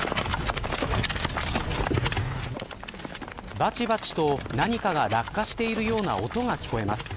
ばちばちと何かが落下しているような音が聞こえます。